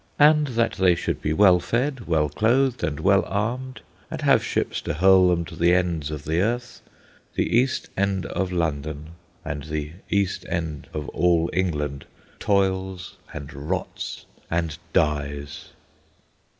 And that they should be well fed, well clothed, and well armed, and have ships to hurl them to the ends of the earth, the East End of London, and the "East End" of all England, toils and rots and dies.